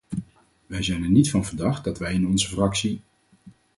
Wij zijn er niet van verdacht dat wij in onze fractie...